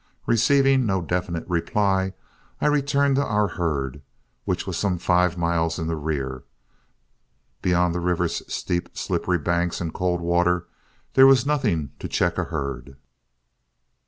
Receiving no definite reply, I returned to our herd, which was some five miles in the rear. Beyond the river's steep, slippery banks and cold water, there was nothing to check a herd.